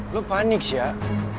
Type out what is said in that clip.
lo panik syah